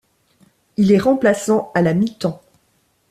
Il est remplaçant à la mi-temps.